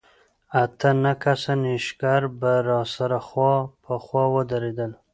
اته نه کسه نېشګر به سره خوا په خوا ودرېدل.